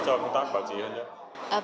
cho phương tác bảo trì hơn nhé